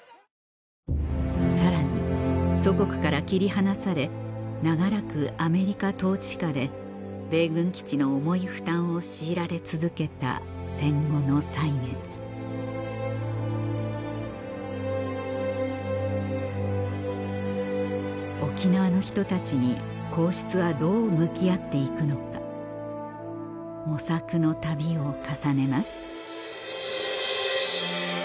さらに祖国から切り離され長らくアメリカ統治下で米軍基地の重い負担を強いられ続けた戦後の歳月沖縄の人たちに皇室はどう向き合って行くのか模索の旅を重ねます